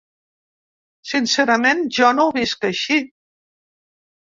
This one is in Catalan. Sincerament, jo no ho visc així.